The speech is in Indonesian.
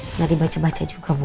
pernah dibaca baca juga bu